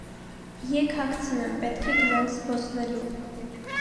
- Եկ հագցնեմ, պետք է գնանք զբոսնելու: